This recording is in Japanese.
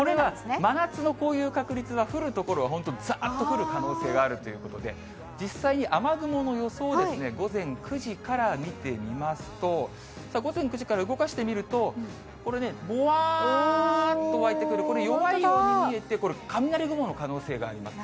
真夏のこういう確率は、降る所は本当、ざーっと降る可能性があるということで、実際に雨雲の予想を午前９時から見てみますと、午前９時から動かしてみると、これね、もわっと湧いてくる、この弱いように見えて、これ、雷雲の可能性があります。